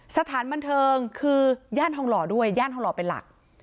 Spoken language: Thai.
สถานบันเทิงคือย่านทองหล่อด้วยย่านทองหล่อเป็นหลัก